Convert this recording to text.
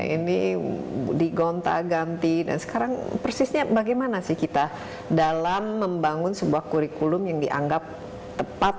ini digonta ganti dan sekarang persisnya bagaimana sih kita dalam membangun sebuah kurikulum yang dianggap tepat